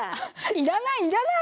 いらないいらない！